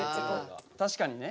確かにね。